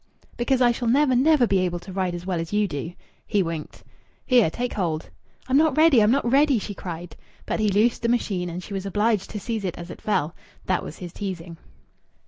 "Because I shall never, never be able to ride as well as you do!" He winked. "Here! Take hold." "I'm not ready! I'm not ready!" she cried. But he loosed the machine, and she was obliged to seize it as it fell. That was his teasing.